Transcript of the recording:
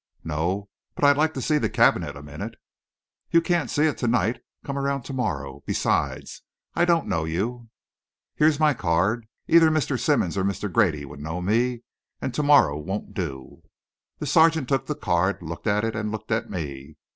"No; but I'd like to see the cabinet a minute." "You can't see it to night. Come around to morrow. Besides, I don't know you." "Here's my card. Either Mr. Simmonds or Mr. Grady would know me. And to morrow won't do." The sergeant took the card, looked at it, and looked at me.